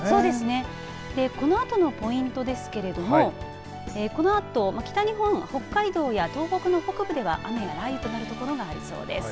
このあとのポイントですけれどもこのあと北日本、北海道や東北の北部では、雨や雷雨となる所がありそうです。